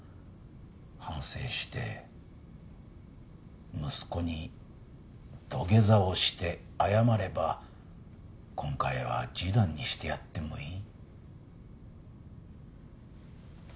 反省して息子に土下座をして謝れば今回は示談にしてやってもいい。